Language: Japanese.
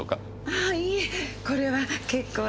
あぁいいえこれは結構です。